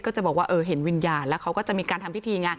ก็จะบอกว่าเออเห็นวิญญาณแล้วเขาก็จะมีการทำพิธีไง